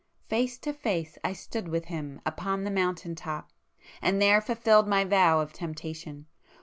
Face to face I stood with Him upon the mountain top, and there fulfilled my vow of temptation.